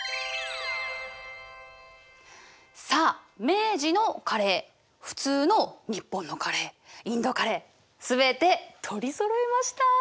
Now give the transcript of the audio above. さあ明治のカレー普通の日本のカレーインドカレー全て取りそろえました。